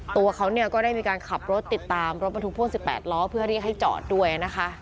ตัวเขาก็ได้มีการขับรถติดตามรถบรรทุกพ่วง๑๘ล้อเพื่อเรียกให้จอดด้วยนะคะ